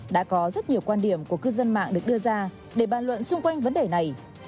đã có rất nhiều quan điểm của cư dân mạng được đưa ra để bàn luận xung quanh vấn đề này